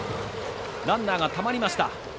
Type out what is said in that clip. ランナーがたまりました。